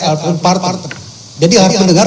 album partner jadi harus mendengar